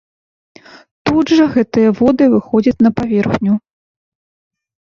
Тут жа гэтыя воды выходзяць на паверхню!